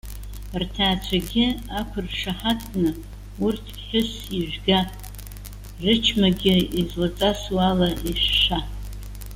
Рҭаацәагьы ақәыршаҳаҭны урҭ ԥҳәысс ижәга, рычмагьы излаҵасу ала ишәшәа.